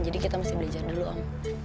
jadi kita mesti belajar dulu om